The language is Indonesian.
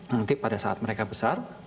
mungkin pada saat mereka besar